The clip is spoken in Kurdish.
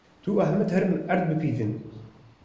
Tu û Ehmed herin erd bipîvin.